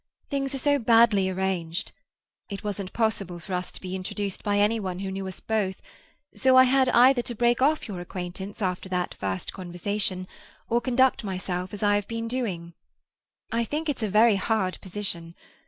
Things are so badly arranged. It wasn't possible for us to be introduced by any one who knew us both, so I had either to break off your acquaintance after that first conversation, or conduct myself as I have been doing. I think it's a very hard position.